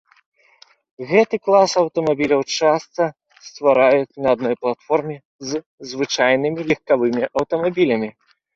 Гэты клас аўтамабіляў часта ствараюць на адной платформе з звычайнымі легкавымі аўтамабілямі.